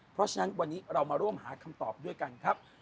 เพราะฉะนั้นวันนี้เรามาร่วมหาคำตอบด้วยกันครับ